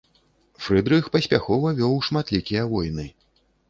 Фрыдрых паспяхова вёў шматлікія войны.